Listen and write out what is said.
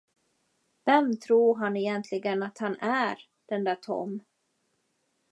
Vem tror han egentligen att han är, den där Tom?